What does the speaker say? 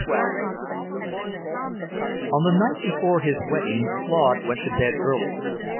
XII On the night before his wedding Claude went to bed early.